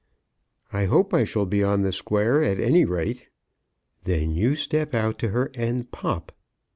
"I hope I shall be on the square, at any rate." "Then you step out to her and pop."